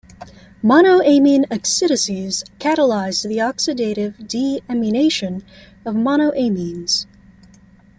Monoamine oxidases catalyze the oxidative deamination of monoamines.